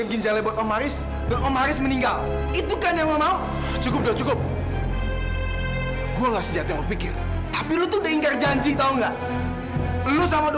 terus papa milih